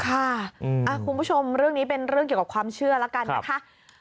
คุณผู้ชมเรื่องนี้เป็นเรื่องเกี่ยวกับความเชื่อแล้วกันนะคะ